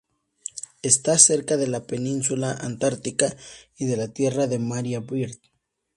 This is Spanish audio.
Está cerca de la Península Antártica y de la Tierra de María Byrd.